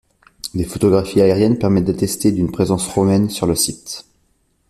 Des photographies aériennes permettent d'attester d'une présence romaine sur le site.